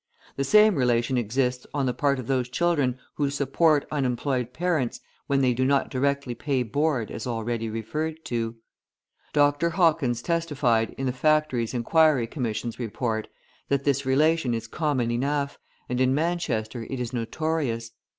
The same relation exists on the part of those children who support unemployed parents {147a} when they do not directly pay board as already referred to. Dr. Hawkins testified in the Factories' Inquiry Commission's Report that this relation is common enough, and in Manchester it is notorious.